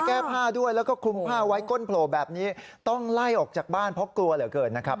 แก้ผ้าด้วยแล้วก็คลุมผ้าไว้ก้นโผล่แบบนี้ต้องไล่ออกจากบ้านเพราะกลัวเหลือเกินนะครับ